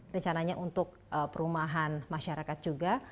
rencananya untuk perumahan masyarakat juga